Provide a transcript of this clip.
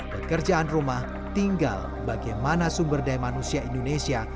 pekerjaan rumah tinggal bagaimana sumber daya manusia indonesia